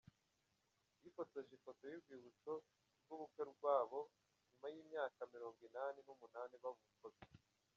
Bifotoje ifoto y’urwibutso rw’ubukwe bwabo nyuma y’imyaka mirongo inani numunani babukoze